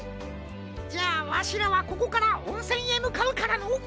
じゃあわしらはここからおんせんへむかうからのう。